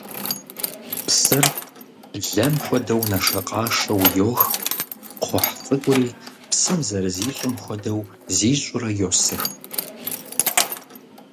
Псыр, блэм хуэдэу, нэшэкъашэу йох, кхъухь цӀыкӀури, псым зэрызищӀым хуэдэу зищӀурэ, йосых.